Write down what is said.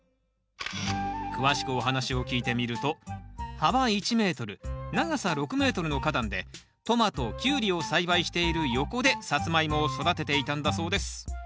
詳しくお話を聞いてみると幅１ｍ長さ６ｍの花壇でトマトキュウリを栽培している横でサツマイモを育てていたんだそうです